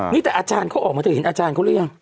นี่แต่อาจารย์เขาออกมาเธอเห็นอาจารย์เขาหรือยัง